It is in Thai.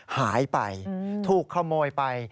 หายไปถูกขโมยไป